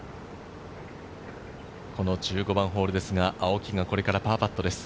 １５番ホールですが、青木がこれからパーパットです。